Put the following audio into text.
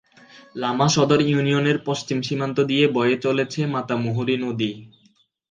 লামা সদর ইউনিয়নের পশ্চিম সীমান্ত দিয়ে বয়ে চলেছে মাতামুহুরী নদী।